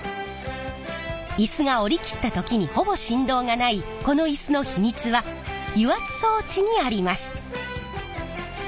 イスが下りきった時にほぼ振動がないこのイスの秘密は油圧装置にあります。